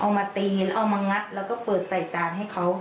มาตีแล้วเอามางัดแล้วก็เปิดใส่จานให้เขา